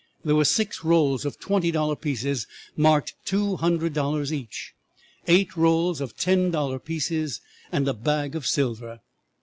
There were six rolls of twenty dollar pieces marked two hundred dollars each, eight rolls of ten dollar pieces, and a bag of silver.